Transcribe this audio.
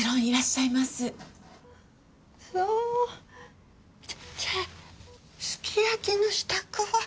じゃあすき焼きの支度は。